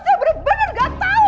saya benar benar gak tahu